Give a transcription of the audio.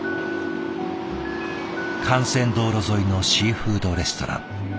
幹線道路沿いのシーフードレストラン。